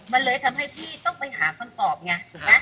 มันเลยทำให้พี่ต้องไปหาคำตอบไงถูกไหม